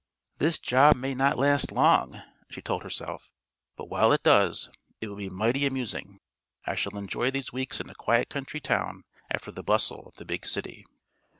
"This job may not last long," she told herself, "but while it does it will be mighty amusing. I shall enjoy these weeks in a quiet country town after the bustle of the big city."